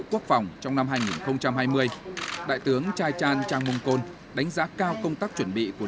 quốc phòng trong năm hai nghìn hai mươi đại tướng chai chan trang mong kon đánh giá cao công tác chuẩn bị của